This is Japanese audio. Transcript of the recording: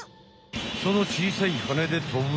その小さい羽で飛ぶから。